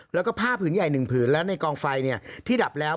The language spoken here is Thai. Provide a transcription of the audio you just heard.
แล้วก็ผ้าผืนใหญ่๑ผืนและในกองไฟที่ดับแล้ว